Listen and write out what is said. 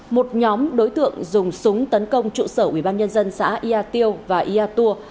một nhóm đối tượng dùng súng tấn công trụ sở ubnd xã ia tiêu và ia tua